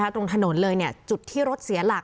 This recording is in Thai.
ตรงถนนเลยจุดที่รถเสียหลัก